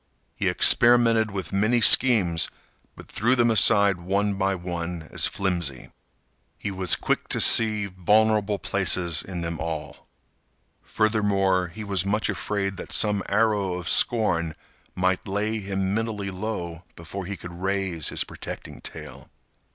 He experimented with many schemes, but threw them aside one by one as flimsy. He was quick to see vulnerable places in them all. Furthermore, he was much afraid that some arrow of scorn might lay him mentally low before he could raise his protecting tale.